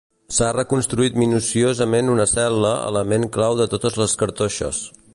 S'ha reconstruït minuciosament una cel·la, element clau de totes les cartoixes.